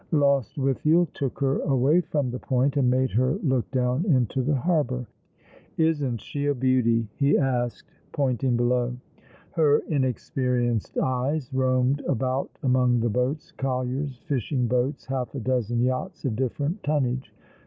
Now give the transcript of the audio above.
Lostwithiel took her away from the Point, and made her look down into the harbour. "■ Isn't she a beauty ?" he asked, pointiug below. Her inexperienced eyes roamed about among the boats, colliers, fishing boats, half a dozen yachts of difierent tonnage.